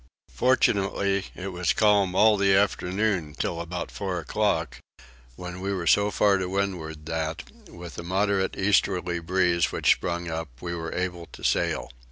Fortunately it was calm all the afternoon till about four o'clock, when we were so far to windward that, with a moderate easterly breeze which sprung up, we were able to sail.